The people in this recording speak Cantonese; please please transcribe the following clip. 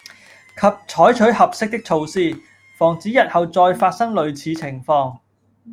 及採取合適的措施，防止日後再發生類似情況